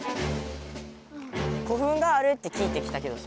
古墳があるって聞いてきたけどさ。